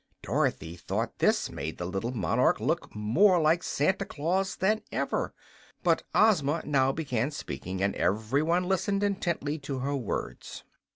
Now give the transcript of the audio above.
Dorothy thought this made the little monarch look more like Santa Claus than ever; but Ozma now began speaking, and every one listened intently to her words.